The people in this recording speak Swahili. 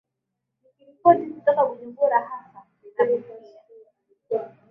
nikiripoti kutoka bujumbura hasan rabakuki a